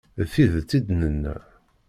D tidet i d-nenna.